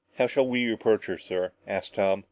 "How shall we approach her, sir?" asked Tom.